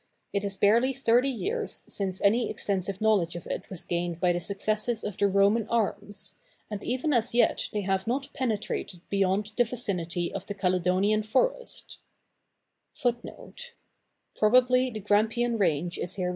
It is barely thirty years since any extensive knowledge of it was gained by the successes of the Roman arms, and even as yet they have not penetrated beyond the vicinity of the Caledonian forest.